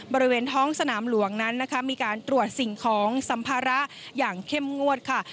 บริเวณท้องสนามหลวงนั้นนะคะมีการตรวจสิ่งของสัมภาระอย่างเข้มงวดค่ะ